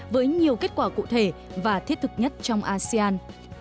với nhiều kết quả cụ thể và thiết thực nhất trong asean